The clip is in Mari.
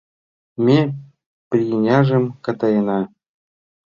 Ме приняжым катаена